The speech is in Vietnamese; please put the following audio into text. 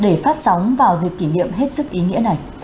để phát sóng vào dịp kỷ niệm hết sức ý nghĩa này